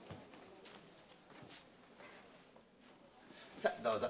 さあどうぞ。